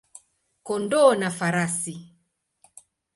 kondoo na farasi.